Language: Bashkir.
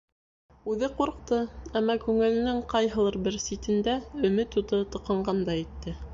Үҙе ҡурҡты, әммә күңеленең ҡайһылыр бер ситендә өмөт уты тоҡанғандай итте.